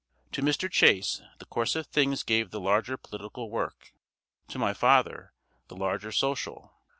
To Mr. Chase, the course of things gave the larger political work; to my father, the larger social.